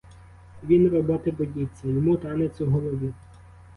Він роботи боїться, йому танець у голові.